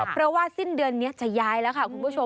เพราะว่าสิ้นเดือนนี้จะย้ายแล้วค่ะคุณผู้ชม